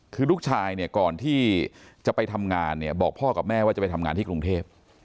คือลูกชายเนี่ยก่อนที่จะไปทำงานเนี่ยบอกพ่อกับแม่ว่าจะไปทำงานที่กรุงเทพ